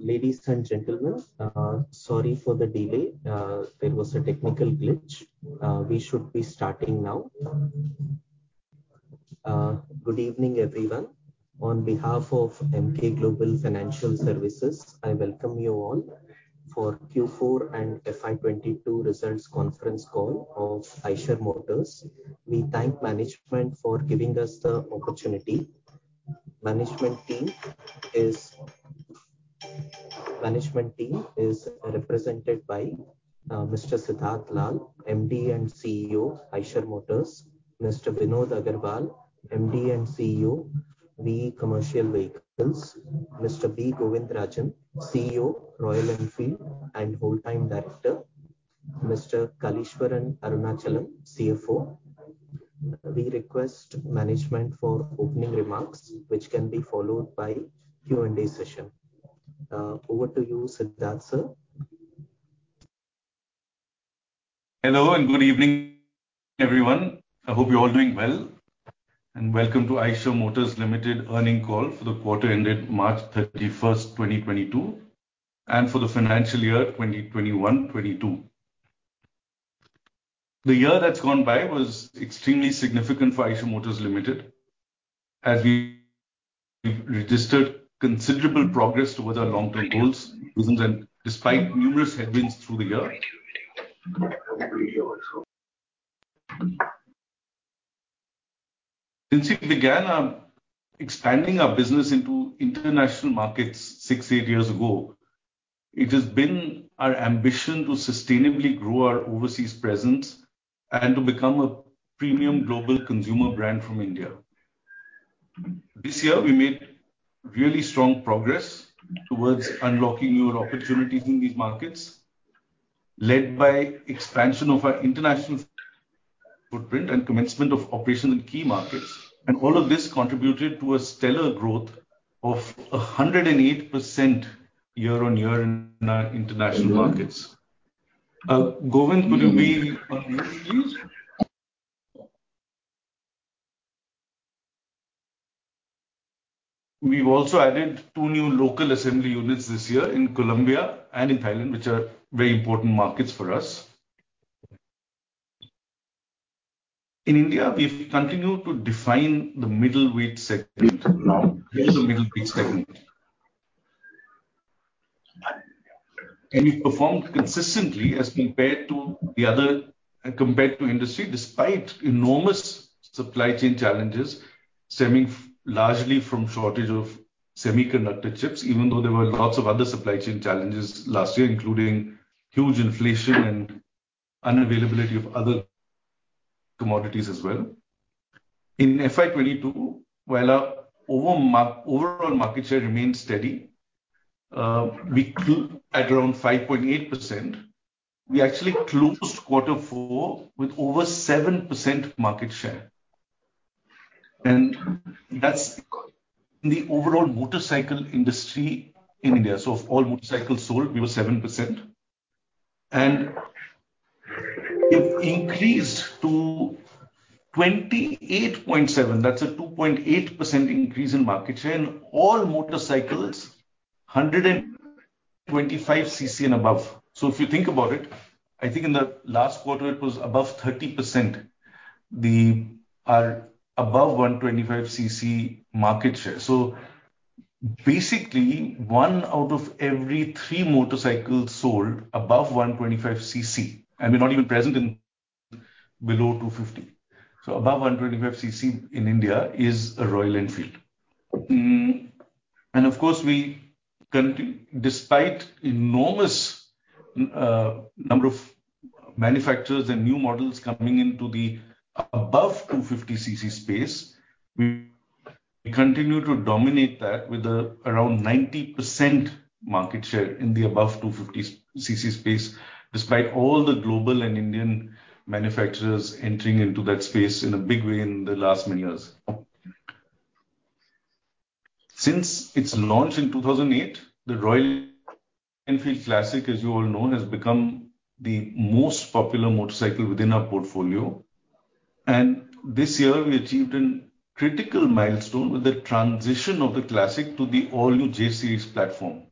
Ladies and gentlemen, sorry for the delay. There was a technical glitch. We should be starting now. Good evening, everyone. On behalf of Emkay Global Financial Services, I welcome you all for Q4 and FY 22 results conference call of Eicher Motors. We thank management for giving us the opportunity. Management team is represented by Mr. Siddhartha Lal, MD and CEO, Eicher Motors. Mr. Vinod Aggarwal, MD and CEO, VE Commercial Vehicles. Mr. B. Govindarajan, CEO, Royal Enfield and Whole-Time Director. Mr. Kaleeswaran Arunachalam, CFO. We request management for opening remarks, which can be followed by Q&A session. Over to you, Siddhartha, sir. Hello, and good evening, everyone. I hope you're all doing well. Welcome to Eicher Motors Limited earnings call for the quarter ended March 31, 2022, and for the financial year 2021-22. The year that's gone by was extremely significant for Eicher Motors Limited, as we've registered considerable progress towards our long-term goals, despite numerous headwinds through the year. Since we began expanding our business into international markets 6-8 years ago, it has been our ambition to sustainably grow our overseas presence and to become a premium global consumer brand from India. This year we made really strong progress towards unlocking new opportunities in these markets, led by expansion of our international footprint and commencement of operation in key markets. All of this contributed to a stellar growth of 108% year-on-year in our international markets. We've also added two new local assembly units this year in Colombia and in Thailand, which are very important markets for us. In India, we've continued to define the middleweight sector. Now, here's the middleweight segment. We performed consistently as compared to the other compared to industry, despite enormous supply chain challenges stemming largely from shortage of semiconductor chips, even though there were lots of other supply chain challenges last year, including huge inflation and unavailability of other commodities as well. In FY 2022, while our overall market share remained steady, we grew at around 5.8%. We actually closed quarter four with over 7% market share. That's in the overall motorcycle industry in India. Of all motorcycles sold, we were 7%. It increased to 28.7. That's a 2.8% increase in market share in all motorcycles 125 cc and above. If you think about it, I think in the last quarter it was above 30% our above 125 cc market share. Basically, 1 out of every 3 motorcycles sold above 125 cc, and we're not even present in below 250. Above 125 cc in India is a Royal Enfield. Of course, we continue to dominate that with around 90% market share in the above 250s cc space, despite all the global and Indian manufacturers entering into that space in a big way in the last many years. Since its launch in 2008, the Royal Enfield Classic, as you all know, has become the most popular motorcycle within our portfolio. This year, we achieved a critical milestone with the transition of the Classic to the all-new J-series platform.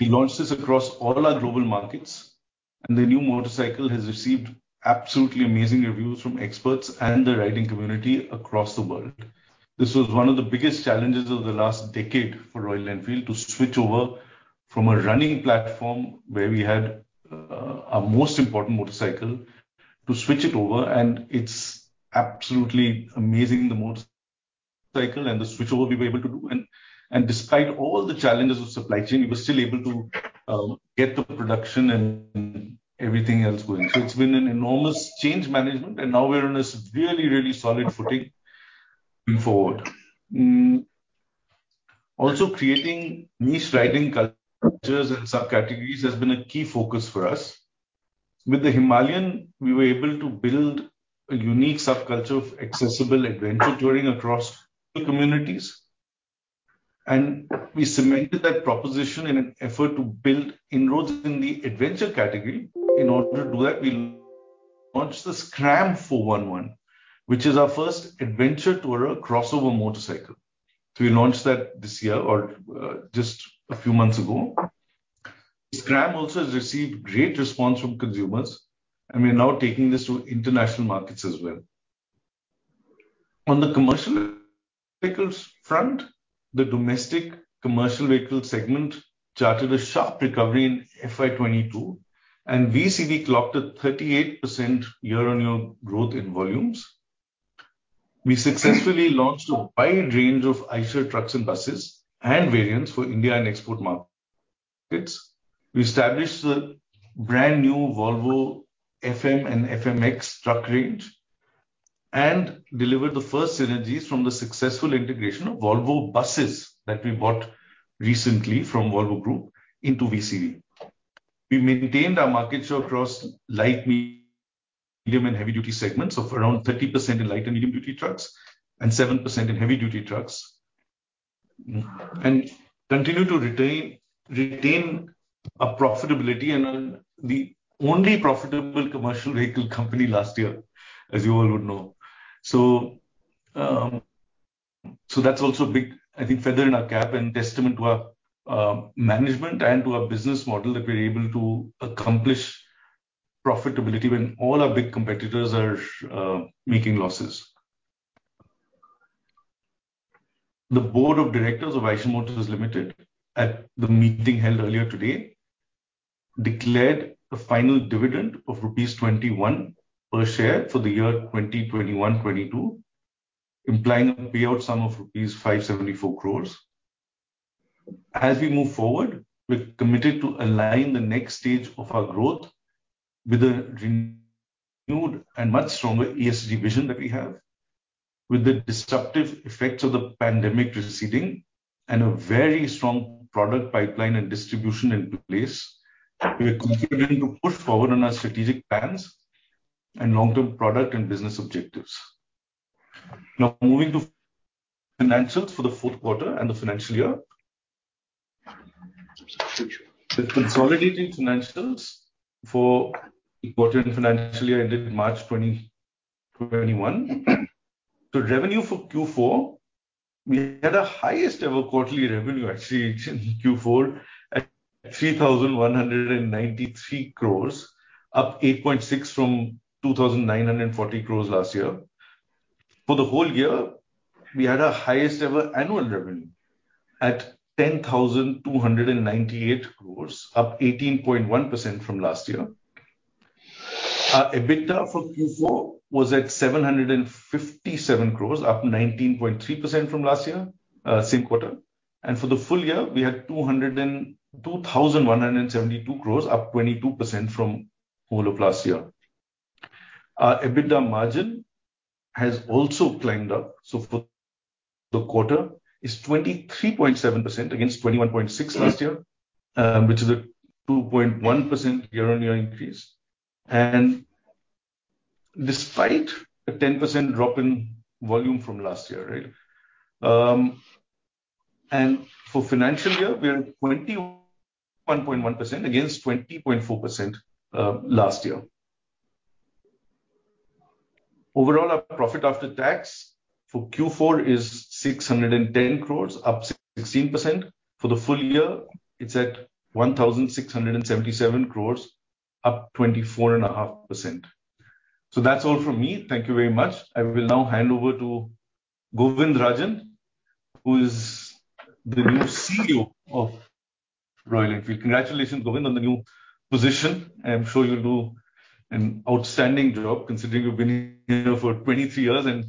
We launched this across all our global markets, and the new motorcycle has received absolutely amazing reviews from experts and the riding community across the world. This was one of the biggest challenges of the last decade for Royal Enfield, to switch over from a running platform where we had, our most important motorcycle, to switch it over, and it's absolutely amazing the motorcycle and the switchover we were able to do. Despite all the challenges of supply chain, we were still able to, get the production and everything else going. It's been an enormous change management, and now we're on this really, really solid footing moving forward. Also, creating niche riding cultures and subcategories has been a key focus for us. With the Himalayan, we were able to build a unique subculture of accessible adventure touring across the communities. We cemented that proposition in an effort to build inroads in the adventure category. In order to do that, we launched the Scram 411, which is our first adventure tourer crossover motorcycle. We launched that this year or just a few months ago. Scram also has received great response from consumers, and we're now taking this to international markets as well. On the commercial vehicles front, the domestic commercial vehicle segment charted a sharp recovery in FY22, and VECV clocked 38% year-on-year growth in volumes. We successfully launched a wide range of Eicher trucks and buses and variants for India and export markets. We established the brand new Volvo FM and FMX truck range, and delivered the first synergies from the successful integration of Volvo Buses that we bought recently from Volvo Group into VECV. We maintained our market share across light, medium, and heavy-duty segments of around 30% in light and medium duty trucks and 7% in heavy-duty trucks. We continued to retain a profitability and are the only profitable commercial vehicle company last year, as you all would know. That's also a big, I think, feather in our cap and testament to our management and to our business model that we're able to accomplish profitability when all our big competitors are making losses. The board of directors of Eicher Motors Limited at the meeting held earlier today declared a final dividend of rupees 21 per share for the year 2021/22, implying a payout sum of rupees 574 crores. As we move forward, we've committed to align the next stage of our growth with a renewed and much stronger ESG vision that we have. With the disruptive effects of the pandemic receding and a very strong product pipeline and distribution in place, we are continuing to push forward on our strategic plans and long-term product and business objectives. Now moving to financials for the fourth quarter and the financial year. The consolidated financials for the quarter and financial year ended March 2021. The revenue for Q4, we had a highest ever quarterly revenue actually in Q4 at 3,193 crore, up 8.6% from 2,940 crore last year. For the whole year, we had our highest ever annual revenue at 10,298 crore, up 18.1% from last year. EBITDA for Q4 was at 757 crore, up 19.3% from last year, same quarter. For the full year, we had 2,272 crore, up 22% from whole of last year. Our EBITDA margin has also climbed up. For the quarter is 23.7% against 21.6% last year, which is a 2.1% year-on-year increase. Despite a 10% drop in volume from last year, right? For financial year, we are at 21.1% against 20.4% last year. Overall, our profit after tax for Q4 is 610 crores, up 16%. For the full year, it's at 1,677 crores, up 24.5%. That's all from me. Thank you very much. I will now hand over to B. Govindarajan, who is the new CEO of Royal Enfield. Congratulations, Govindan, on the new position. I am sure you'll do an outstanding job considering you've been here for 23 years and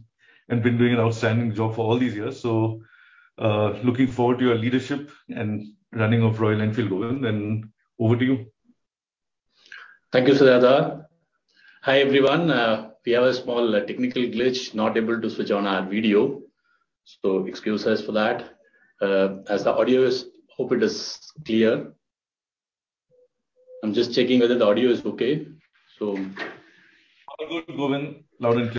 been doing an outstanding job for all these years. Looking forward to your leadership and running of Royal Enfield, Govindan, and over to you. Thank you, Siddhartha. Hi, everyone. We have a small technical glitch, not able to switch on our video. Excuses for that. Hope it is clear. I'm just checking whether the audio is okay. All good, Govindan. Loud and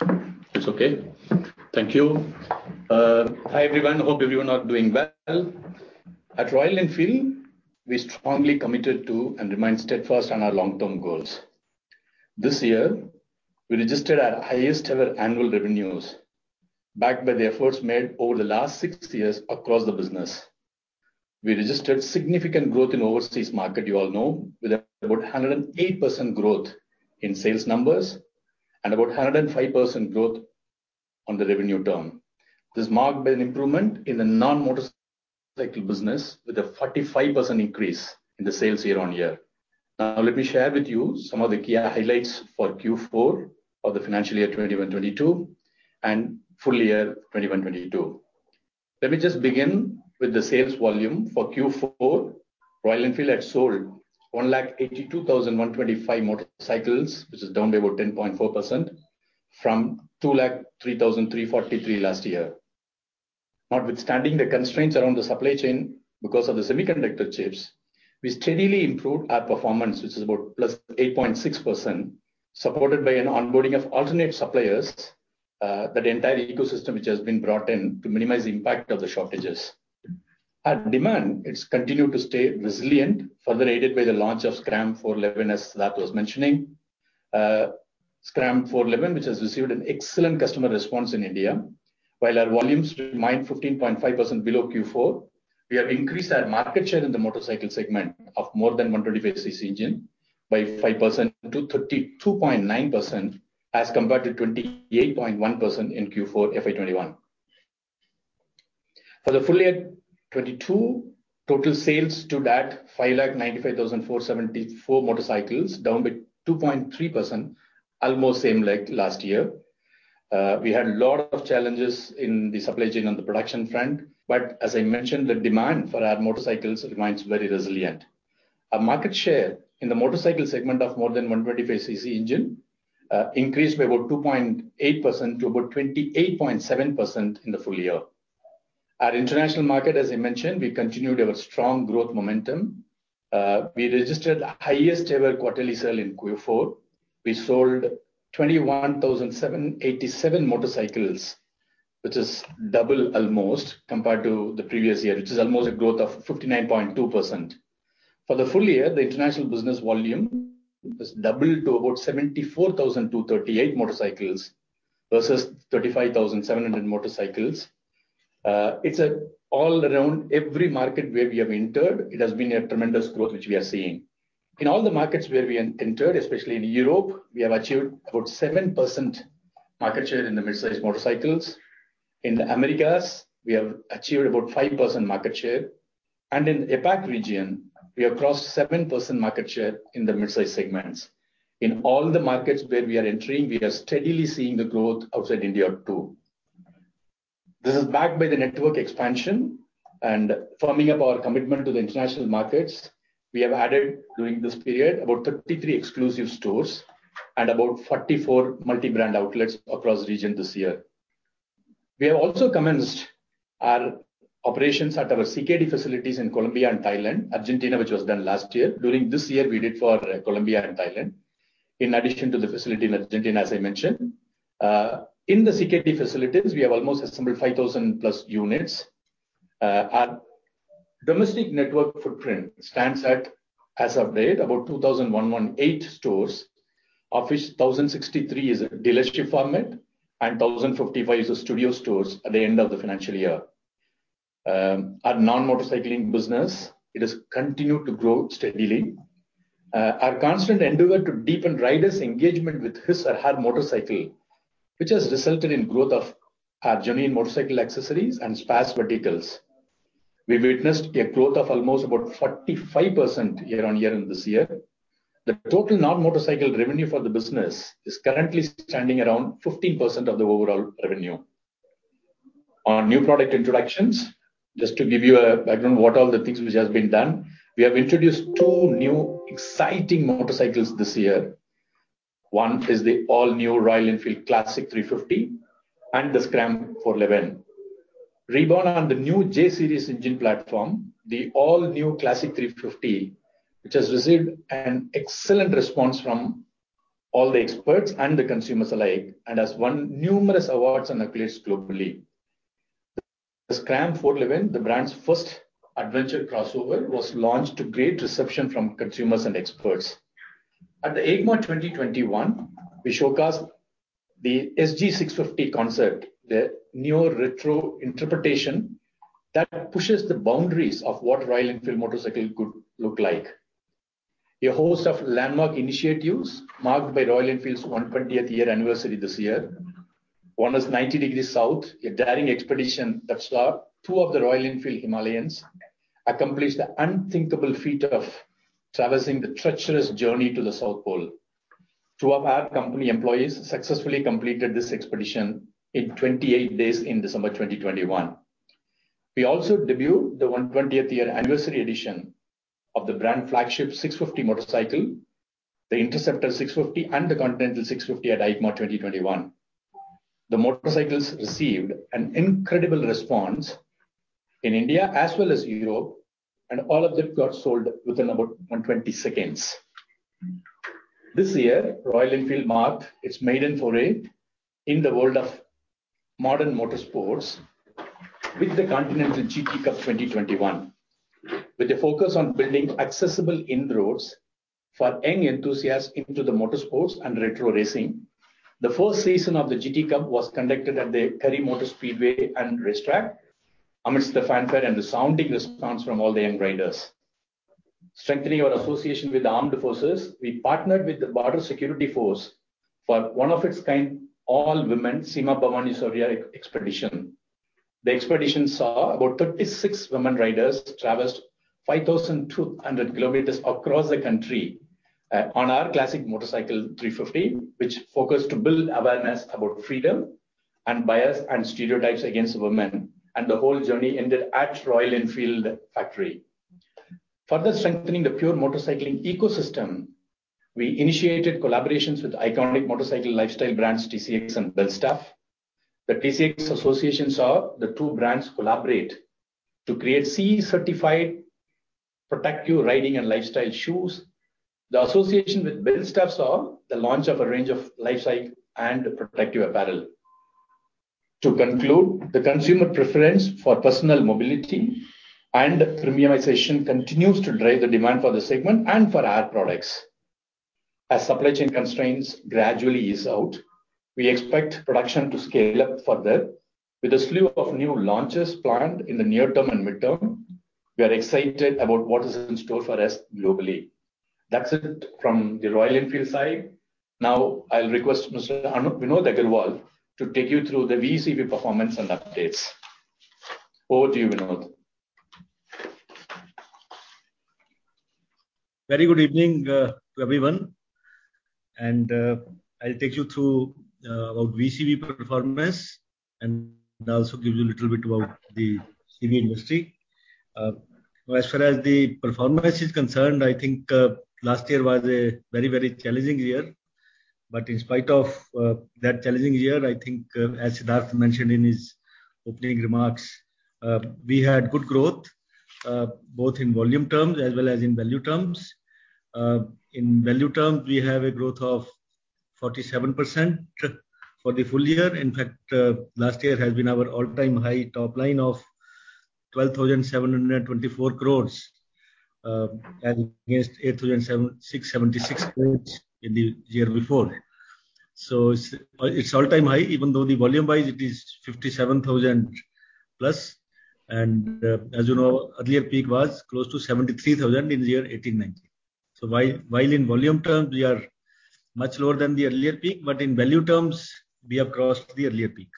clear. It's okay? Thank you. Hi, everyone. Hope everyone are doing well. At Royal Enfield, we're strongly committed to and remain steadfast on our long-term goals. This year, we registered our highest ever annual revenues, backed by the efforts made over the last six years across the business. We registered significant growth in overseas market, you all know, with about 108% growth in sales numbers and about 105% growth on the revenue term. This marked by an improvement in the non-motorcycle business with a 45% increase in the sales year-on-year. Now, let me share with you some of the key highlights for Q4 of the financial year 2021, 2022 and full year 2021, 2022. Let me just begin with the sales volume. For Q4, Royal Enfield had sold 182,125 motorcycles, which is down by about 10.4% from 203,343 last year. Notwithstanding the constraints around the supply chain because of the semiconductor chips, we steadily improved our performance, which is about +8.6%, supported by an onboarding of alternate suppliers, that entire ecosystem which has been brought in to minimize the impact of the shortages. Demand has continued to stay resilient, further aided by the launch of Scram 411 as Siddhartha Lal was mentioning. Scram 411, which has received an excellent customer response in India. While our volumes remained 15.5% below Q4, we have increased our market share in the motorcycle segment of more than 125 cc engine by 5% to 32.9%, as compared to 28.1% in Q4 FY 2021. For the full year 2022, total sales stood at 595,474 motorcycles, down by 2.3%, almost same like last year. We had a lot of challenges in the supply chain on the production front, but as I mentioned, the demand for our motorcycles remains very resilient. Our market share in the motorcycle segment of more than 125 cc engine increased by about 2.8% to about 28.7% in the full year. In the international market, as I mentioned, we continued our strong growth momentum. We registered the highest ever quarterly sale in Q4. We sold 21,787 motorcycles, which is double almost compared to the previous year, which is almost a growth of 59.2%. For the full year, the international business volume has doubled to about 74,238 motorcycles versus 35,700 motorcycles. It's all around every market where we have entered, it has been a tremendous growth which we are seeing. In all the markets where we entered, especially in Europe, we have achieved about 7% market share in the midsize motorcycles. In the Americas, we have achieved about 5% market share. In the APAC region, we have crossed 7% market share in the midsize segments. In all the markets where we are entering, we are steadily seeing the growth outside India too. This is backed by the network expansion and forming up our commitment to the international markets. We have added, during this period, about 33 exclusive stores and about 44 multi-brand outlets across the region this year. We have also commenced our operations at our CKD facilities in Colombia and Thailand. Argentina, which was done last year. During this year, we did for Colombia and Thailand. In addition to the facility in Argentina, as I mentioned. In the CKD facilities, we have almost assembled 5,000+ units. Our domestic network footprint stands at, as of date, about 2,118 stores, of which 1,063 is a dealership format and 1,055 is a studio stores at the end of the financial year. Our non-motorcycling business, it has continued to grow steadily. Our constant endeavor to deepen riders' engagement with his or her motorcycle, which has resulted in growth of our genuine motorcycle accessories and spare verticals. We witnessed a growth of almost about 45% year-on-year in this year. The total non-motorcycle revenue for the business is currently standing around 15% of the overall revenue. On new product introductions, just to give you a background what are the things which has been done. We have introduced two new exciting motorcycles this year. One is the all-new Royal Enfield Classic 350 and the Scram 411. Reborn on the new J-series engine platform, the all-new Classic 350, which has received an excellent response from all the experts and the consumers alike, and has won numerous awards and accolades globally. The Scram 411, the brand's first adventure crossover, was launched to great reception from consumers and experts. At the EICMA 2021, we showcased the SG650 concept, the neo-retro interpretation that pushes the boundaries of what Royal Enfield motorcycle could look like. A host of landmark initiatives marked by Royal Enfield's 120th year anniversary this year. One was 90 Degrees South, a daring expedition that saw 2 of the Royal Enfield Himalayans accomplish the unthinkable feat of traversing the treacherous journey to the South Pole. 2 of our company employees successfully completed this expedition in 28 days in December 2021. We also debuted the 120th year anniversary edition of the brand flagship 650 motorcycle, the Interceptor 650 and the Continental 650 at EICMA 2021. The motorcycles received an incredible response in India as well as Europe, and all of them got sold within about 120 seconds. This year, Royal Enfield marked its maiden foray in the world of modern motorsports with the Continental GT Cup 2021. With the focus on building accessible inroads for young enthusiasts into the motorsports and retro racing, the first season of the GT Cup was conducted at the Kari Motor Speedway and Race Track amidst the fanfare and the sounding response from all the young riders. Strengthening our association with the armed forces, we partnered with the Border Security Force for one of a kind all-women Seema Bhawani Shaurya Expedition. The expedition saw about 36 women riders traverse 5,200 kilometers across the country, on our Classic 350, which focused to build awareness about freedom and bias and stereotypes against women. The whole journey ended at Royal Enfield factory. Further strengthening the pure motorcycling ecosystem, we initiated collaborations with iconic motorcycle lifestyle brands, TCX and Belstaff. The TCX association saw the two brands collaborate to create CE-certified protective riding and lifestyle shoes. The association with Belstaff saw the launch of a range of lifestyle and protective apparel. To conclude, the consumer preference for personal mobility and premiumization continues to drive the demand for the segment and for our products. As supply chain constraints gradually ease out, we expect production to scale up further. With a slew of new launches planned in the near term and midterm, we are excited about what is in store for us globally. That's it from the Royal Enfield side. Now I'll request Mr. Vinod Aggarwal to take you through the VECV performance and updates. Over to you, Vinod. Very good evening to everyone. I'll take you through our VECV performance and also give you a little bit about the CV industry. As far as the performance is concerned, I think last year was a very, very challenging year. In spite of that challenging year, I think, as Siddhartha mentioned in his opening remarks, we had good growth both in volume terms as well as in value terms. In value terms, we have a growth of 47% for the full year. In fact, last year has been our all-time high top line of 12,724 crore as against 8,676 crore in the year before. It's all-time high, even though volume-wise it is 57,000+. As you know, earlier peak was close to 73,000 in the year 2018-19. While in volume terms we are much lower than the earlier peak, but in value terms, we have crossed the earlier peak.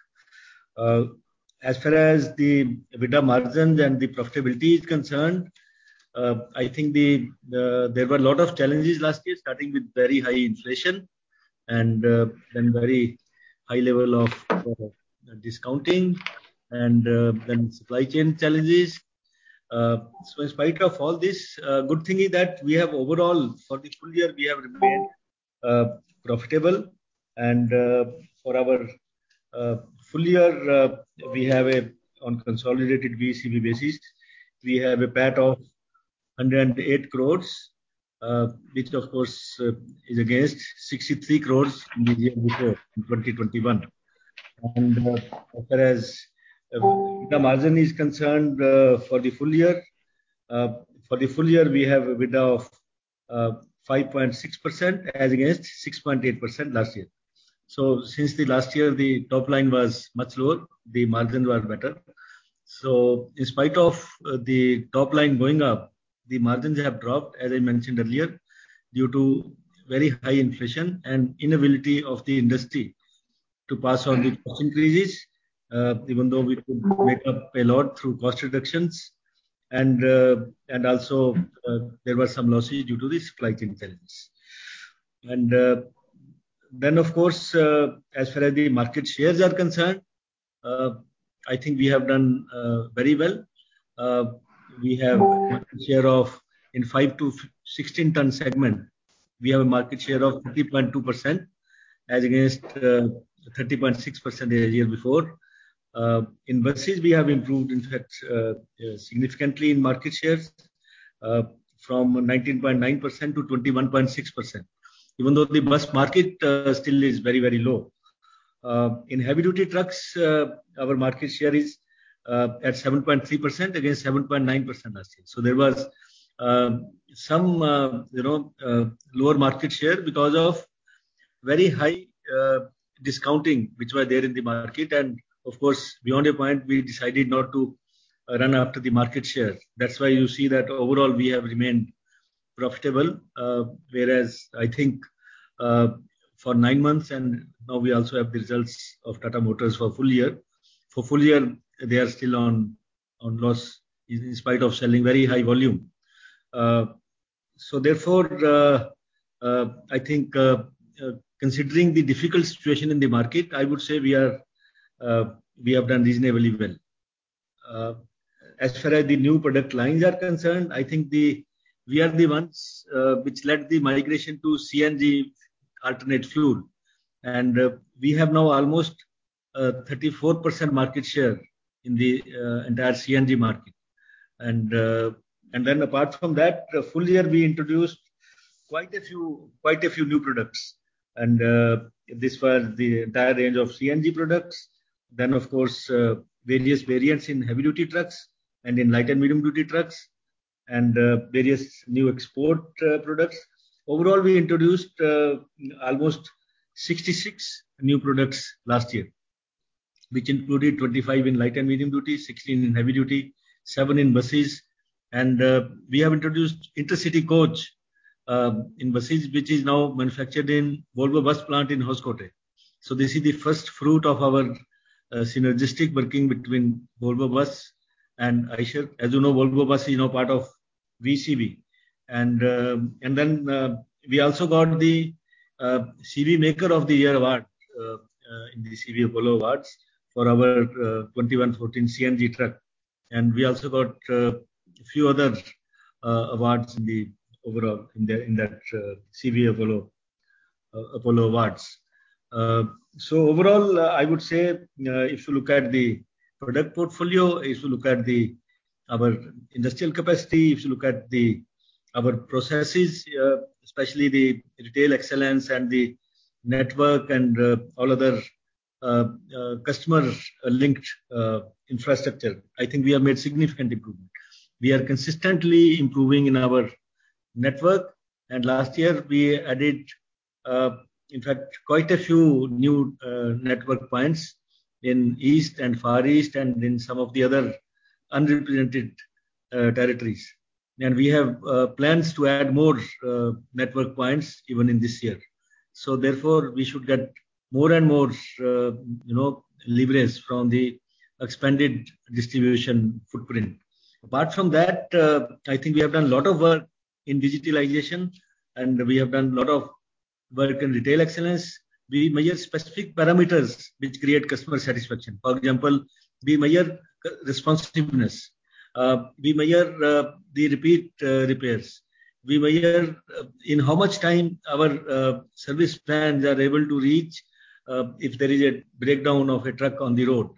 As far as the EBITDA margins and the profitability is concerned, I think there were a lot of challenges last year, starting with very high inflation and then very high level of discounting and then supply chain challenges. In spite of all this, good thing is that we have overall for the full year, we have remained profitable. For our full year, we have on consolidated VECV basis, we have a PAT of 108 crore, which of course is against 63 crore in the year before, in 2021. As far as the margin is concerned, for the full year, we have an EBITDA of 5.6% as against 6.8% last year. Since last year, the top line was much lower, the margins were better. In spite of the top line going up, the margins have dropped, as I mentioned earlier, due to very high inflation and inability of the industry to pass on the cost increases, even though we could make up a lot through cost reductions. Also, there were some losses due to the supply chain challenges. Of course, as far as the market shares are concerned, I think we have done very well. We have a market share in 5-16 ton segment. We have a market share of 30.2% as against 30.6% the year before. In buses we have improved in fact significantly in market shares from 19.9% to 21.6%, even though the bus market still is very, very low. In heavy duty trucks our market share is at 7.3% against 7.9% last year. There was some you know lower market share because of very high discounting which were there in the market. Of course, beyond a point, we decided not to run after the market share. That's why you see that overall we have remained profitable, whereas I think, for nine months and now we also have the results of Tata Motors for full year. For full year they are still at a loss in spite of selling very high volume. Therefore, I think, considering the difficult situation in the market, I would say we have done reasonably well. As far as the new product lines are concerned, I think we are the ones which led the migration to CNG alternative fuel. We have now almost 34% market share in the entire CNG market. Apart from that, full year we introduced quite a few new products. This was the entire range of CNG products. Of course, various variants in heavy-duty trucks and in light and medium-duty trucks and various new export products. Overall, we introduced almost 66 new products last year. Which included 25 in light and medium duty, 16 in heavy duty, 7 in buses. We have introduced Intercity Coach in buses, which is now manufactured in Volvo Buses plant in Hoskote. This is the first fruit of our synergistic working between Volvo Buses and Eicher. As you know, Volvo Buses is now part of VECV. We also got the CV Maker of the Year award in the Apollo CV Awards for our 2114 CNG truck. We also got few other awards in the overall in that Apollo CV Awards. Overall, I would say, if you look at the product portfolio, if you look at our industrial capacity, if you look at our processes, especially the retail excellence and the network and all other customer linked infrastructure, I think we have made significant improvement. We are consistently improving in our network, and last year we added, in fact, quite a few new network points in East and Far East and in some of the other underrepresented territories. We have plans to add more network points even in this year. Therefore, we should get more and more, you know, leverage from the expanded distribution footprint. Apart from that, I think we have done a lot of work in digitalization, and we have done a lot of work in retail excellence. We measure specific parameters which create customer satisfaction. For example, we measure responsiveness, we measure the repeat repairs. We measure in how much time our service vans are able to reach, if there is a breakdown of a truck on the road.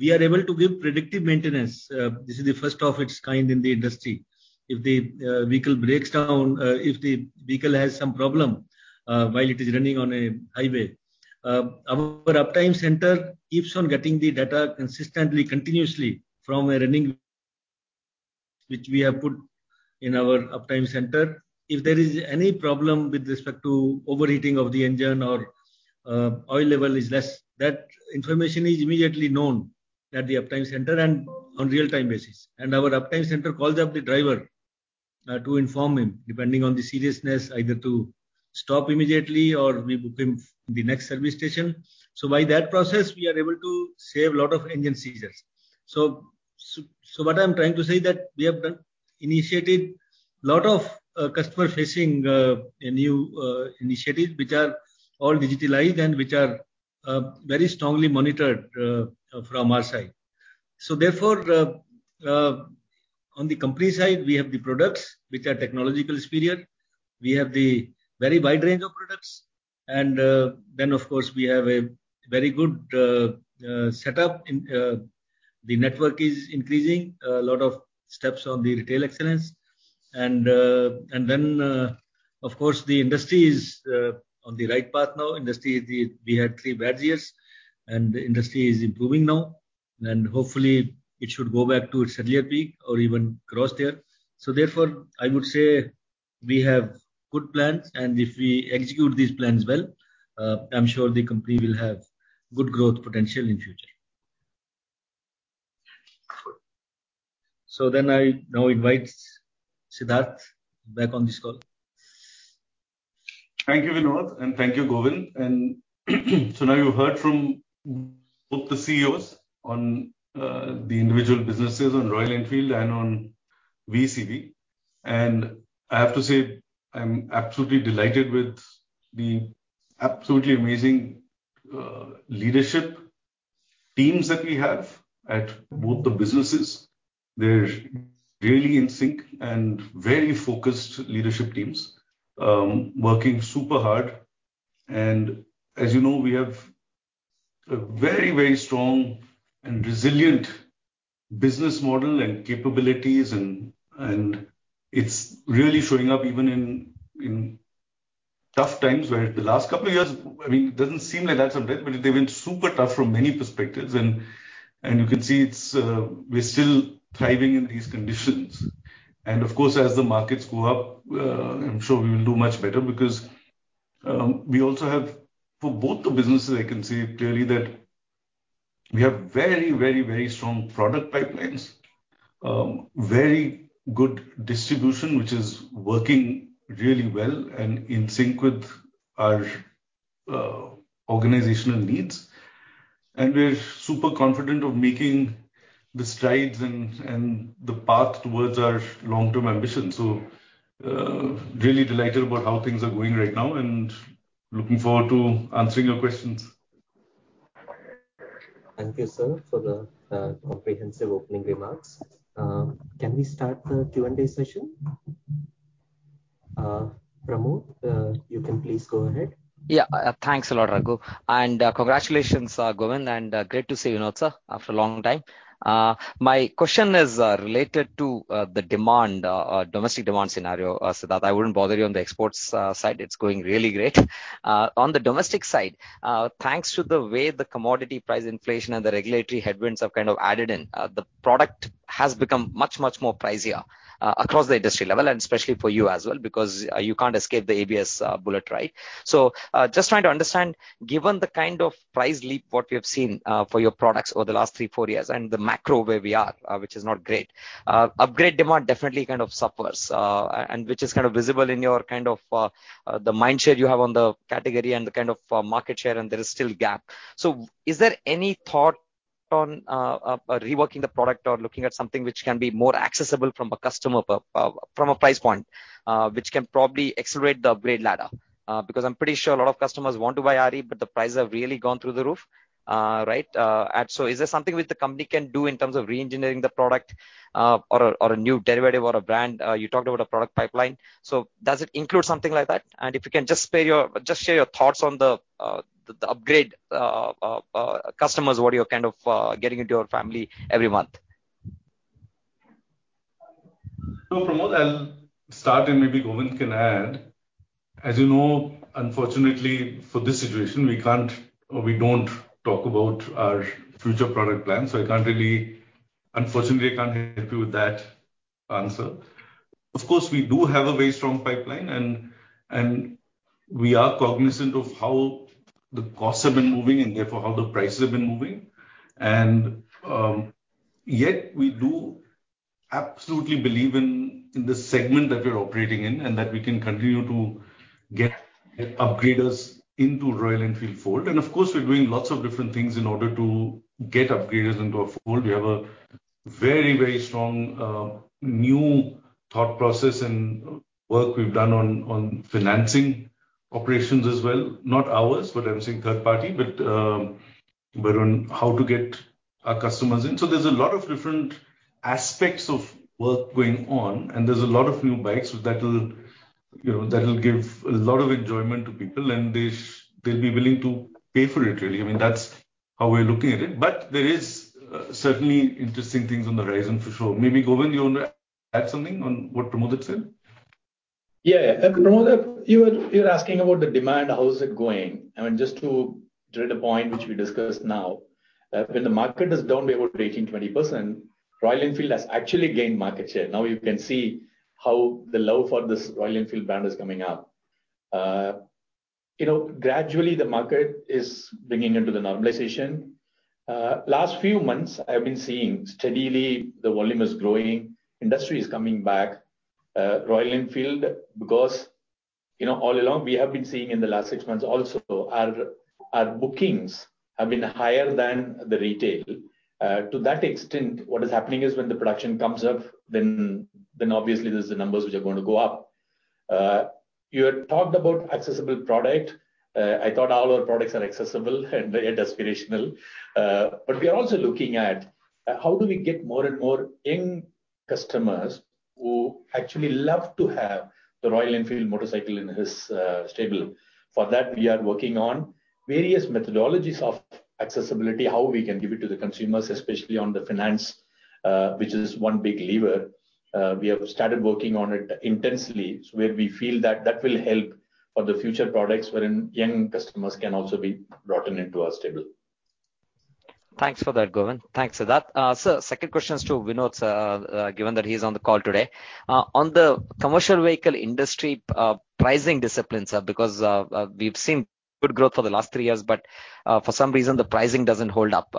We are able to give predictive maintenance, this is the first of its kind in the industry. If the vehicle breaks down, if the vehicle has some problem, while it is running on a highway, our uptime center keeps on getting the data consistently, continuously from a running, which we have put in our uptime center. If there is any problem with respect to overheating of the engine or oil level is less, that information is immediately known at the uptime center and on real-time basis. Our uptime center calls up the driver to inform him, depending on the seriousness, either to stop immediately or we book him the next service station. By that process, we are able to save a lot of engine seizures. What I'm trying to say that we have initiated lot of customer-facing new initiatives which are all digitalized and which are very strongly monitored from our side. Therefore, on the company side, we have the products which are technologically superior. We have the very wide range of products. Then, of course, we have a very good setup in the network is increasing, a lot of steps on the retail excellence. Then, of course, the industry is on the right path now. industry, we had three bad years and the industry is improving now. Hopefully it should go back to its earlier peak or even cross there. Therefore, I would say we have good plans, and if we execute these plans well, I'm sure the company will have good growth potential in future. Good. I now invite Siddhartha back on this call. Thank you, Vinod, and thank you, Govind. Now you heard from both the CEOs on the individual businesses on Royal Enfield and on VECV. I have to say, I'm absolutely delighted with the absolutely amazing leadership teams that we have at both the businesses. They're really in sync and very focused leadership teams, working super hard. As you know, we have a very, very strong and resilient business model and capabilities and it's really showing up even in tough times where the last couple of years, I mean, it doesn't seem like that sometimes, but they've been super tough from many perspectives. You can see we're still thriving in these conditions. Of course, as the markets go up, I'm sure we will do much better because we also have for both the businesses, I can say clearly that we have very strong product pipelines. Very good distribution, which is working really well and in sync with our organizational needs. We're super confident of making the strides and the path towards our long-term ambition. Really delighted about how things are going right now and looking forward to answering your questions. Thank you, sir, for the comprehensive opening remarks. Can we start the Q&A session? Pramod, you can please go ahead. Yeah. Thanks a lot, Raghu, and congratulations, Govind, and great to see you, Vinod, sir, after a long time. My question is related to the demand, domestic demand scenario, Siddharth. I wouldn't bother you on the exports side. It's going really great. On the domestic side, thanks to the way the commodity price inflation and the regulatory headwinds have kind of added in, the product has become much, much more pricier across the industry level, and especially for you as well, because you can't escape the ABS bullet, right? Just trying to understand, given the kind of price leap what we have seen for your products over the last 3-4 years and the macro where we are, which is not great. Upgrade demand definitely kind of suffers, and which is kind of visible in your kind of mind share you have on the category and the kind of market share, and there is still gap. Is there any thought on reworking the product or looking at something which can be more accessible from a customer perspective, from a price point, which can probably accelerate the upgrade ladder? Because I'm pretty sure a lot of customers want to buy RE, but the prices have really gone through the roof, right? Is there something which the company can do in terms of re-engineering the product, or a new derivative or a brand? You talked about a product pipeline. Does it include something like that? If you can just spare your Just share your thoughts on the upgrade customers, what you're kind of getting into your facility every month. Pramod, I'll start and maybe Govind can add. As you know, unfortunately for this situation, we can't or we don't talk about our future product plans. I can't really. Unfortunately, I can't help you with that answer. Of course, we do have a very strong pipeline and we are cognizant of how the costs have been moving and therefore how the prices have been moving. Yet we do absolutely believe in the segment that we're operating in, and that we can continue to get upgraders into Royal Enfield fold. Of course, we're doing lots of different things in order to get upgraders into our fold. We have a very strong new thought process and work we've done on financing operations as well. Not ours, but I'm saying third party, but on how to get our customers in. There's a lot of different aspects of work going on, and there's a lot of new bikes that will, give a lot of enjoyment to people, and they'll be willing to pay for it, really. I mean, that's how we're looking at it. There is certainly interesting things on the horizon for sure. Maybe Govind you wanna add something on what Pramod said? Yeah. Pramod, you were asking about the demand, how is it going? I mean, just to thread a point which we discussed now. When the market is down by about 18-20%, Royal Enfield has actually gained market share. Now you can see how the love for this Royal Enfield brand is coming up. Gradually the market is coming into the normalization. Last few months I've been seeing steadily the volume is growing, industry is coming back. Royal Enfield, because, all along we have been seeing in the last six months also our bookings have been higher than the retail. To that extent, what is happening is when the production comes up, then obviously this is the numbers which are going to go up. You had talked about accessible product. I thought all our products are accessible and very aspirational. We are also looking at how do we get more and more young customers who actually love to have the Royal Enfield motorcycle in his stable. For that, we are working on various methodologies of accessibility, how we can give it to the consumers, especially on the finance, which is one big lever. We have started working on it intensely. It's where we feel that that will help for the future products wherein young customers can also be brought into our stable. Thanks for that, Govind. Sir, second question is to Vinod, given that he's on the call today. On the commercial vehicle industry, pricing disciplines, because we've seen good growth for the last three years, but for some reason the pricing doesn't hold up.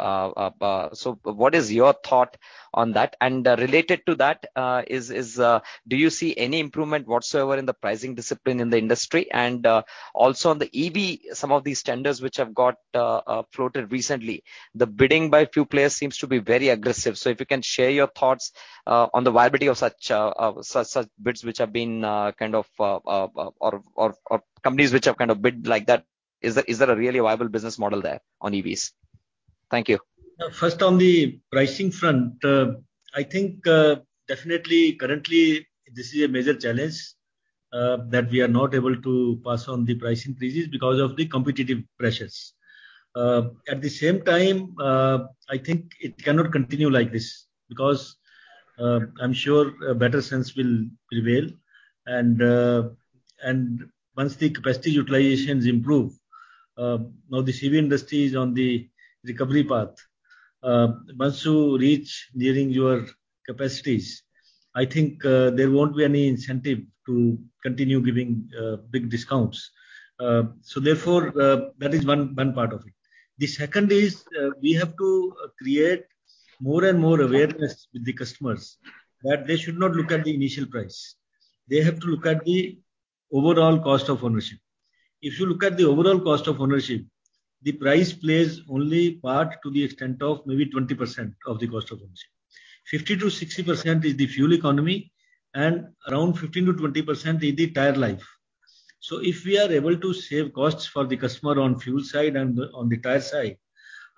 What is your thought on that? Related to that, do you see any improvement whatsoever in the pricing discipline in the industry? Also on the EV, some of these tenders which have got floated recently. The bidding by a few players seems to be very aggressive. If you can share your thoughts on the viability of such bids which have been kind of or companies which have kind of bid like that. Is there a really viable business model there on EVs? Thank you. First on the pricing front, I think definitely currently this is a major challenge that we are not able to pass on the price increases because of the competitive pressures. At the same time, I think it cannot continue like this because I'm sure a better sense will prevail. Once the capacity utilizations improve, now the CV industry is on the recovery path. Once you reach nearing your capacities, I think there won't be any incentive to continue giving big discounts. Therefore, that is one part of it. The second is we have to create more and more awareness with the customers that they should not look at the initial price. They have to look at the overall cost of ownership. If you look at the overall cost of ownership, the price plays only part to the extent of maybe 20% of the cost of ownership. 50%-60% is the fuel economy, and around 15%-20% is the tire life. If we are able to save costs for the customer on fuel side and on the tire side,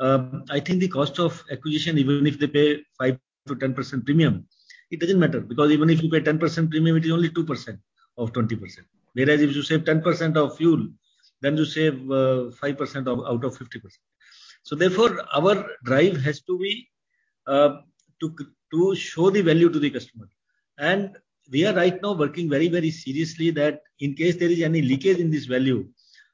I think the cost of acquisition, even if they pay 5%-10% premium, it doesn't matter, because even if you pay 10% premium, it is only 2% of 20%. Whereas if you save 10% of fuel, then you save five percent out of 50%. Therefore, our drive has to be to show the value to the customer. We are right now working very, very seriously that in case there is any leakage in this value,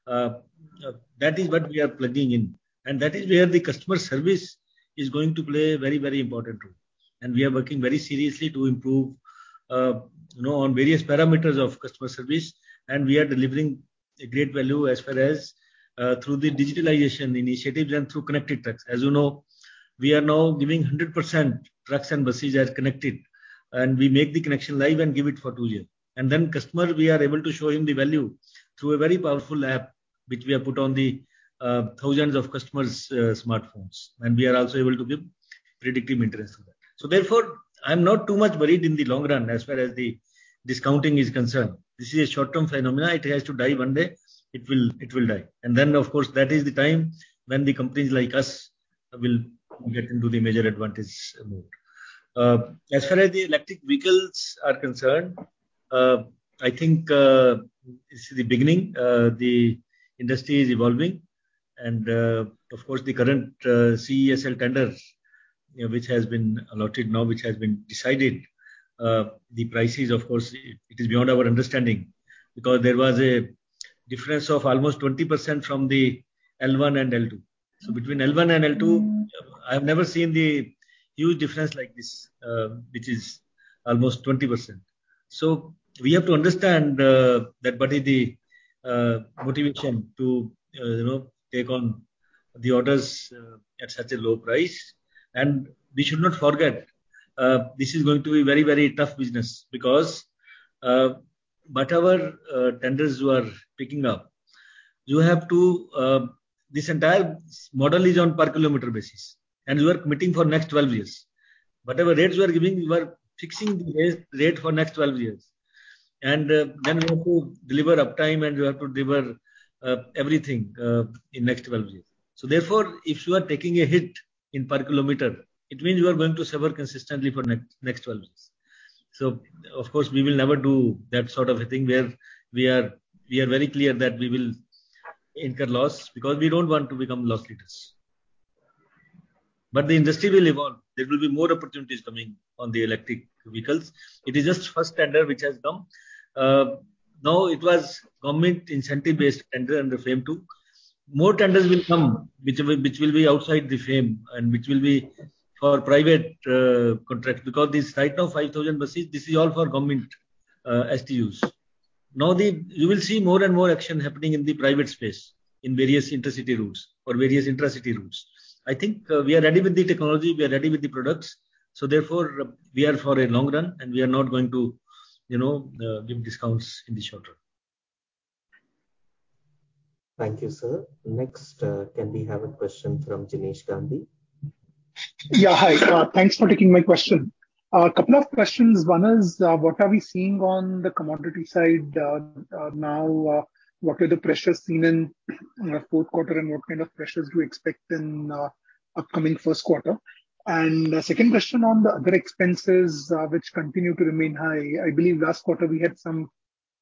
that is what we are plugging in. That is where the customer service is going to play a very, very important role. We are working very seriously to improve, you know, on various parameters of customer service, and we are delivering a great value as far as, through the digitalization initiatives and through connected trucks. As you know, we are now giving 100% trucks and buses as connected, and we make the connection live and give it for two years. Then customer, we are able to show him the value through a very powerful app which we have put on the, thousands of customers', smartphones. We are also able to give predictive maintenance to that. I'm not too much worried in the long run as far as the discounting is concerned. This is a short-term phenomenon. It has to die one day. It will die. Of course, that is the time when the companies like us will get into the major advantage mode. As far as the electric vehicles are concerned, I think this is the beginning. The industry is evolving. Of course, the current CESL tender, you know, which has been allotted now, which has been decided, the prices of course it is beyond our understanding because there was a difference of almost 20% from the L1 and L2. Between L1 and L2, I've never seen the huge difference like this, which is almost 20%. We have to understand that what is the motivation to, take on the orders at such a low price. We should not forget, this is going to be very, very tough business because whatever tenders you are picking up, you have to this entire service model is on per kilometer basis, and you are committing for next 12 years. Whatever rates you are giving, you are fixing the rate for next 12 years. You have to deliver uptime, and you have to deliver everything in next 12 years. Therefore, if you are taking a hit in per kilometer, it means you are going to suffer consistently for next 12 years. Of course, we will never do that sort of a thing where we are very clear that we will incur loss because we don't want to become loss leaders. The industry will evolve. There will be more opportunities coming on the electric vehicles. It is just first tender which has come. Now it was government incentive-based tender under FAME II. More tenders will come which will be outside the frame and which will be for private contract, because this right now, 5,000 buses, this is all for government STUs. Now the. You will see more and more action happening in the private space in various intercity routes or various intracity routes. I think, we are ready with the technology, we are ready with the products, so therefore we are for a long run and we are not going to, give discounts in the short term. Thank you, sir. Next, can we have a question from Jinesh Gandhi? Yeah. Hi. Thanks for taking my question. A couple of questions. One is, what are we seeing on the commodity side, now? What were the pressures seen in fourth quarter, and what kind of pressures do you expect in, upcoming first quarter? Second question on the other expenses, which continue to remain high. I believe last quarter we had some,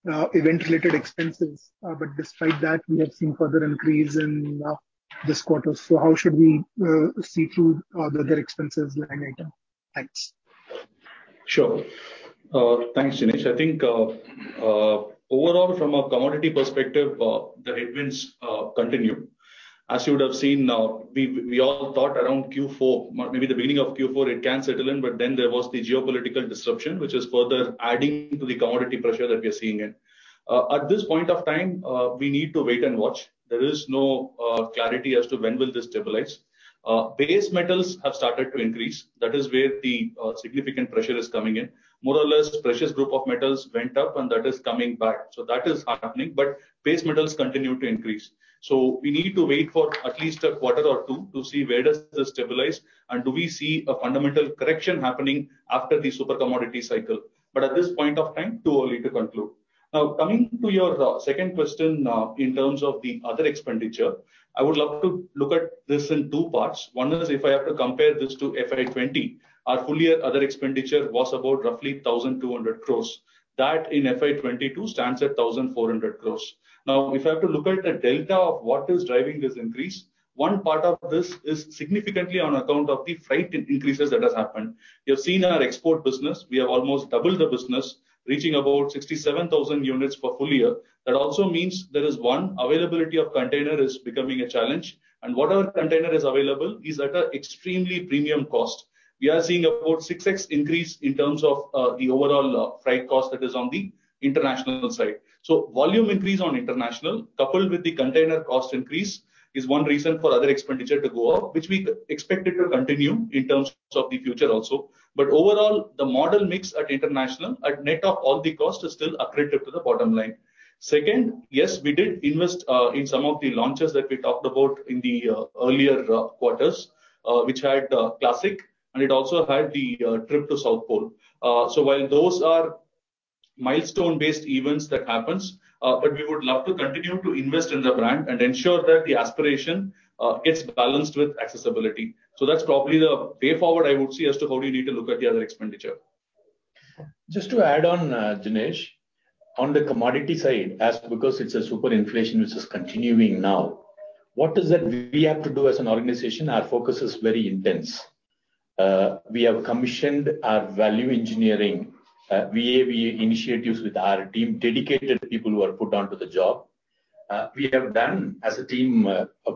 event-related expenses, but despite that we have seen further increase in, this quarter. How should we, see through, the other expenses line item? Thanks. Sure. Thanks, Jinesh. I think, overall, from a commodity perspective, the headwinds continue. As you would have seen, we all thought around Q4, maybe the beginning of Q4, it can settle in, but then there was the geopolitical disruption, which is further adding to the commodity pressure that we are seeing in. At this point of time, we need to wait and watch. There is no clarity as to when will this stabilize. Base metals have started to increase. That is where the significant pressure is coming in. More or less, precious group of metals went up and that is coming back. That is happening, but base metals continue to increase. We need to wait for at least a quarter or two to see where does this stabilize and do we see a fundamental correction happening after the super commodity cycle. At this point of time, too early to conclude. Now, coming to your second question, in terms of the other expenditure, I would love to look at this in two parts. One is if I have to compare this to FY 2020, our full year other expenditure was about roughly 1,200 crores. That in FY 2022 stands at 1,400 crores. Now, if I have to look at the delta of what is driving this increase, one part of this is significantly on account of the freight increases that has happened. You have seen our export business. We have almost doubled the business, reaching about 67,000 units for full year. That also means there is, one, availability of container is becoming a challenge, and whatever container is available is at an extremely premium cost. We are seeing about 6x increase in terms of the overall freight cost that is on the international side. Volume increase on international coupled with the container cost increase is one reason for other expenditure to go up, which we expect it to continue in terms of the future also. Overall, the model mix at international at net of all the costs is still accretive to the bottom line. Second, yes, we did invest in some of the launches that we talked about in the earlier quarters, which had Classic, and it also had the trip to South Pole. While those are milestone-based events that happens, but we would love to continue to invest in the brand and ensure that the aspiration gets balanced with accessibility. That's probably the way forward I would see as to how you need to look at the other expenditure. Just to add on, Jinesh, on the commodity side, because it's a super inflation which is continuing now, what is it we have to do as an organization? Our focus is very intense. We have commissioned our value engineering, VAVE initiatives with our team, dedicated people who are put onto the job. We have done as a team,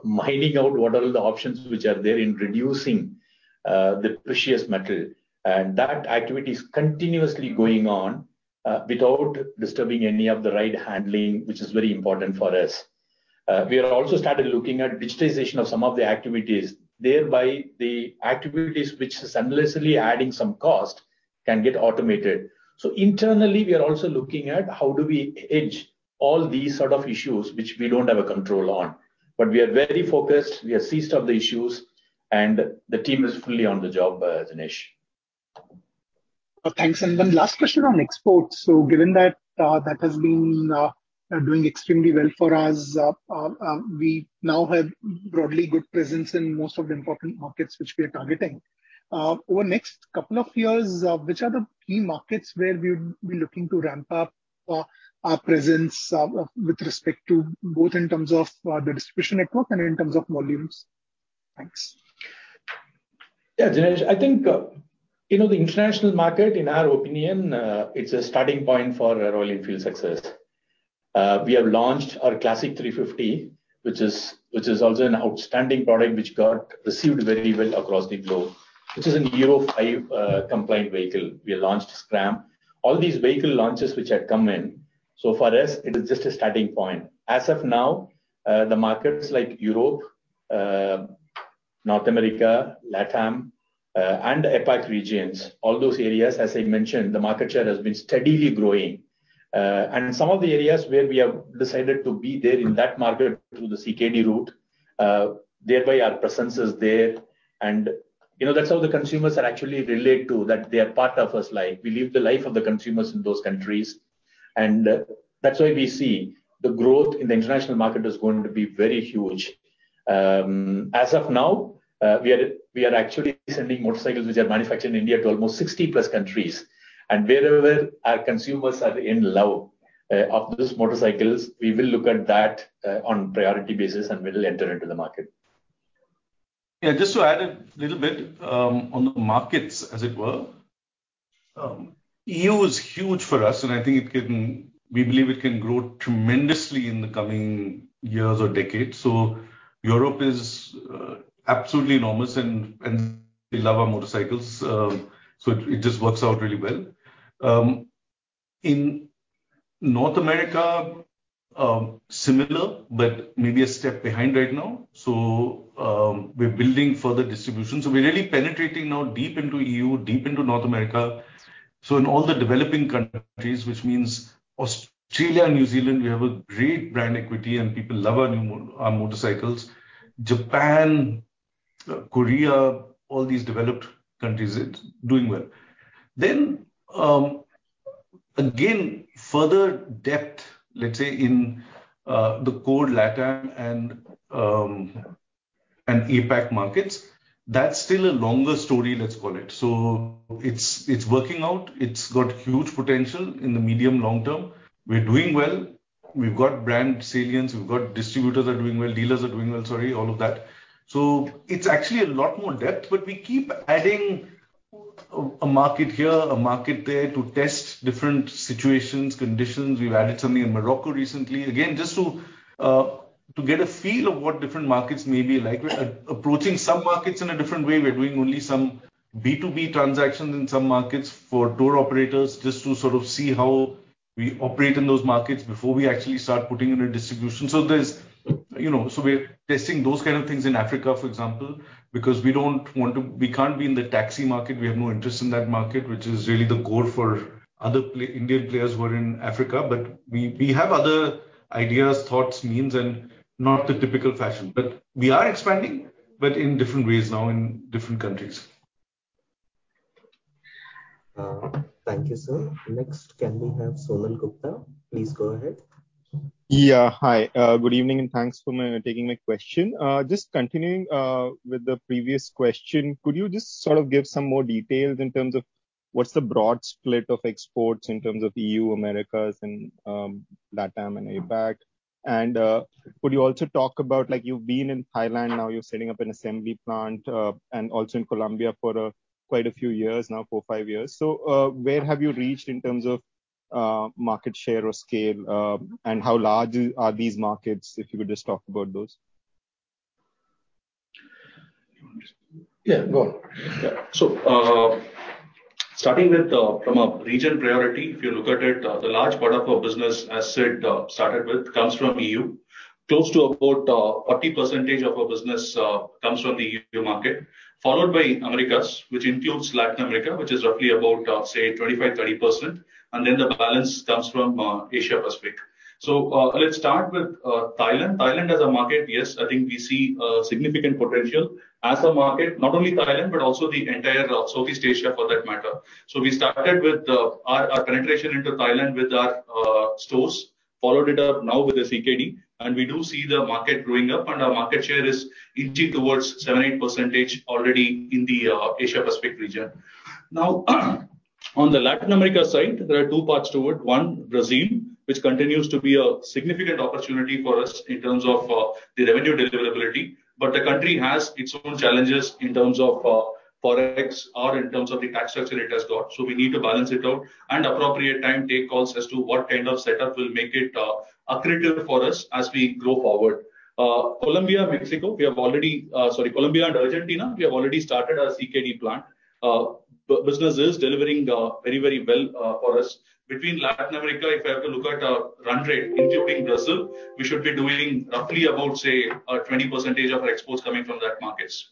mining out what are the options which are there in reducing, the precious metal. That activity is continuously going on, without disturbing any of the right handling, which is very important for us. We have also started looking at digitization of some of the activities. Thereby, the activities which is endlessly adding some cost can get automated. Internally we are also looking at how do we hedge all these sort of issues which we don't have a control on. We are very focused. We are seized of the issues, and the team is fully on the job, Jinesh. Thanks. Last question on exports. Given that that has been doing extremely well for us, we now have broadly good presence in most of the important markets which we are targeting. Over next couple of years, which are the key markets where we would be looking to ramp up? For our presence, with respect to both in terms of, the distribution network and in terms of volumes. Thanks. Yeah, Jinesh, I think, the international market, in our opinion, it's a starting point for Royal Enfield's success. We have launched our Classic 350, which is also an outstanding product which got received very well across the globe, which is a Euro 5 compliant vehicle. We launched Scram 411. All these vehicle launches which had come in, so for us it is just a starting point. As of now, the markets like Europe, North America, LatAm, and APAC regions, all those areas, as I mentioned, the market share has been steadily growing. Some of the areas where we have decided to be there in that market through the CKD route, thereby our presence is there. That's how the consumers are actually relate to, that they are part of our life. We live the life of the consumers in those countries. That's why we see the growth in the international market is going to be very huge. As of now, we are actually sending motorcycles which are manufactured in India to almost 60-plus countries. Wherever our consumers are in love of those motorcycles, we will look at that on priority basis and we'll enter into the market. Yeah, just to add a little bit, on the markets, as it were. EU is huge for us and I think we believe it can grow tremendously in the coming years or decades. Europe is absolutely enormous and they love our motorcycles, so it just works out really well. In North America, similar, but maybe a step behind right now. We're building further distribution. We're really penetrating now deep into EU, deep into North America. In all the developing countries, which means Australia and New Zealand, we have a great brand equity and people love our motorcycles. Japan, Korea, all these developed countries, it's doing well. Then, again, further depth, let's say in the core LatAm and APAC markets, that's still a longer story, let's call it. It's working out. It's got huge potential in the medium long term. We're doing well. We've got brand salience, we've got distributors are doing well, dealers are doing well, sorry, all of that. It's actually a lot more depth, but we keep adding a market here, a market there to test different situations, conditions. We've added something in Morocco recently. Again, just to get a feel of what different markets may be like. We're approaching some markets in a different way. We're doing only some B2B transactions in some markets for tour operators, just to sort of see how we operate in those markets before we actually start putting in a distribution. There's, you know, we're testing those kind of things in Africa, for example, because we don't want to, we can't be in the taxi market. We have no interest in that market, which is really the goal for other Indian players who are in Africa. We have other ideas, thoughts, means, and not the typical fashion. We are expanding, but in different ways now in different countries. Thank you, sir. Next, can we have Sonal Gupta? Please go ahead. Yeah, hi. Good evening and thanks for taking my question. Just continuing with the previous question, could you just sort of give some more details in terms of what's the broad split of exports in terms of EU, Americas and LatAm and APAC? Could you also talk about, like, you've been in Thailand now, you're setting up an assembly plant, and also in Colombia for quite a few years now, 4, 5 years. Where have you reached in terms of market share or scale, and how large are these markets? If you could just talk about those. Yeah, go on. Yeah. Starting with from a regional priority, if you look at it, the large part of our business, as Sid started with, comes from EU. Close to about 40% of our business comes from the EU market. Followed by Americas, which includes Latin America, which is roughly about, say 25-30%. The balance comes from Asia Pacific. Let's start with Thailand. Thailand as a market, yes, I think we see a significant potential as a market. Not only Thailand, but also the entire Southeast Asia for that matter. We started with our penetration into Thailand with our stores, followed it up now with a CKD, and we do see the market growing up and our market share is inching towards 7%-8% already in the Asia Pacific region. Now, on the Latin America side, there are two parts to it. One, Brazil, which continues to be a significant opportunity for us in terms of the revenue deliverability, but the country has its own challenges in terms of Forex or in terms of the tax structure it has got. We need to balance it out and appropriate time take calls as to what kind of setup will make it accretive for us as we grow forward. Colombia and Argentina, we have already started our CKD plant. Business is delivering very, very well for us. Between Latin America, if I have to look at run rate including Brazil, we should be doing roughly about, say, 20% of our exports coming from that markets.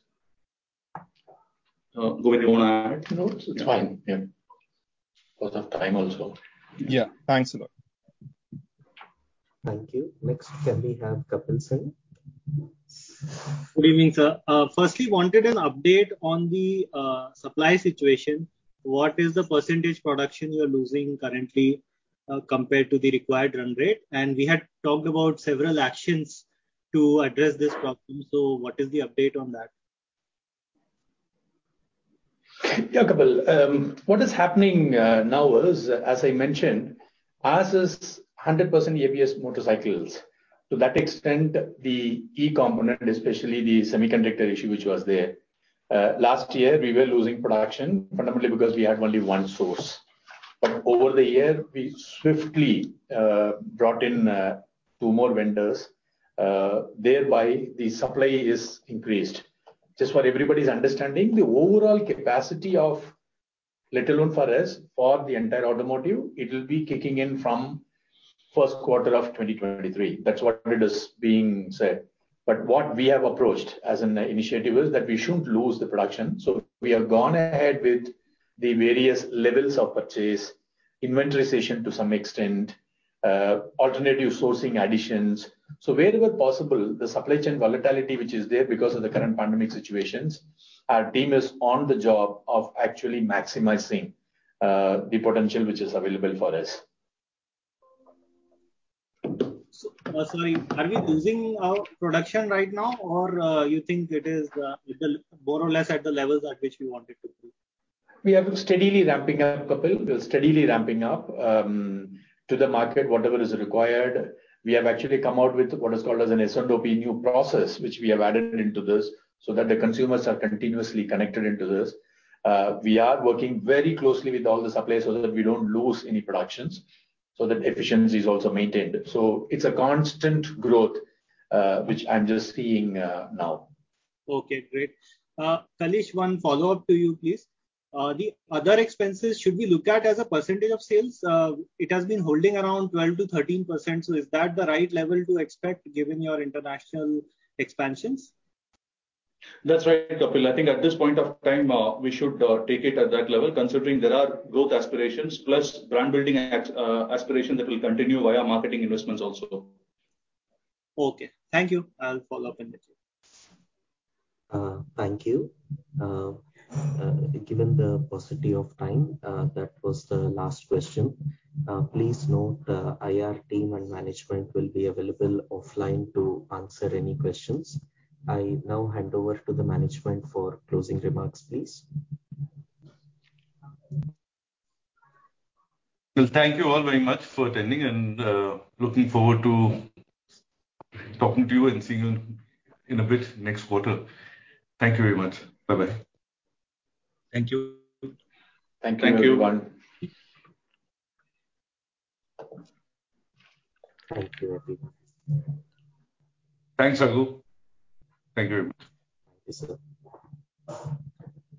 Govind, you wanna add? No, it's fine. Yeah. Because of time also. Yeah. Thanks a lot. Thank you. Next, can we have Kapil Singh? Good evening, sir. Firstly, wanted an update on the supply situation. What is the percentage production you are losing currently compared to the required run rate? We had talked about several actions to address this problem, so what is the update on that? Yeah, Kapil, what is happening now is, as I mentioned, ours is 100% ABS motorcycles. To that extent, the e-component, especially the semiconductor issue which was there last year, we were losing production fundamentally because we had only one source. Over the year, we swiftly brought in 2 more vendors, thereby the supply is increased. Just for everybody's understanding, the overall capacity of, let alone for us, for the entire automotive, it will be kicking in from first quarter of 2023. That's what it is being said. What we have approached as an initiative is that we shouldn't lose the production. We have gone ahead with the various levels of purchase, inventory stocking to some extent, alternative sourcing additions. Wherever possible, the supply chain volatility which is there because of the current pandemic situations, our team is on the job of actually maximizing the potential which is available for us. Sorry, are we losing our production right now or, you think it is more or less at the levels at which we want it to be? We are steadily ramping up, Kapil, to the market, whatever is required. We have actually come out with what is called as an S&OP new process, which we have added into this so that the consumers are continuously connected into this. We are working very closely with all the suppliers so that we don't lose any productions, so that efficiency is also maintained. It's a constant growth which I'm just seeing now. Okay, great. Kailesh, one follow-up to you, please. The other expenses, should we look at as a percentage of sales? It has been holding around 12%-13%, so is that the right level to expect given your international expansions? That's right, Kapil. I think at this point of time, we should take it at that level, considering there are growth aspirations plus brand building aspiration that will continue via marketing investments also. Okay. Thank you. I'll follow up in detail. Thank you. Given the paucity of time, that was the last question. Please note the IR team and management will be available offline to answer any questions. I now hand over to the management for closing remarks, please. Well, thank you all very much for attending, and looking forward to talking to you and seeing you in a bit next quarter. Thank you very much. Bye-bye. Thank you. Thank you. Thank you, everyone. Thank you, everyone. Thanks, Adhuu. Thank you very much. Thank you, sir.